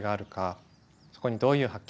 そこにどういう発見があるか